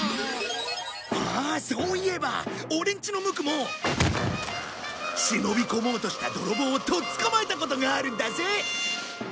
ああそういえばオレんちのムクも忍び込もうとした泥棒をとっ捕まえたことがあるんだぜ！